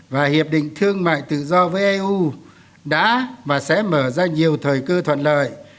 và hiệp định thương mại tự do với eu đã và sẽ mở ra nhiều thời cơ thuận lợi